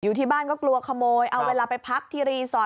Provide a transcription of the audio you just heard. ที่บ้านก็กลัวขโมยเอาเวลาไปพักที่รีสอร์ท